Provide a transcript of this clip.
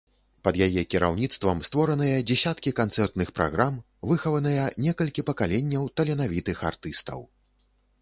Пад яе кіраўніцтвам створаныя дзесяткі канцэртных праграм, выхаваныя некалькі пакаленняў таленавітых артыстаў.